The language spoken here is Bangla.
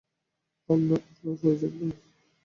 আপনার প্রয়োজন নেই।